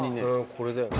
これだよね。